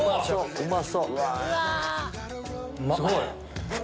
うまそう！